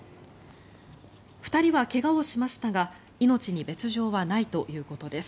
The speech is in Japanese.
２人は怪我をしましたが命に別条はないということです。